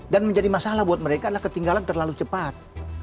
dan menjadi masalah buat mereka adalah ketinggalan terlalu cepat